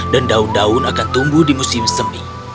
dan daun daun akan tumbuh di musim semi